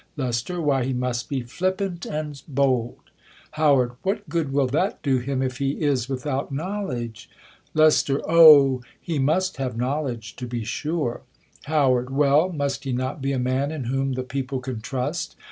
Lest, Why he must be f.^ppant and bold. How, Wiiat g0od will that do him, if he is without [knowledge ? Lest. O ! he must have knowledge to be sure. How. Well, must he not be a man in whom the people can trust